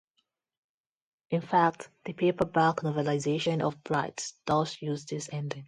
In fact, the paperback novelization of "Brides" does use this ending.